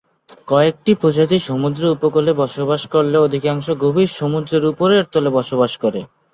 কয়েকটি প্রজাতি সমুদ্র উপকূলে বসবাস করলেও অধিকাংশ গভীর সমুদ্রের উপরের তলে বসবাস করে।